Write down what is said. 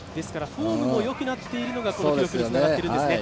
フォームもよくなっているのがこの記録につながってるんですね。